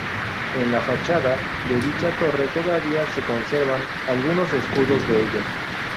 En la fachada de dicha torre todavía se conservan algunos escudos de ellos.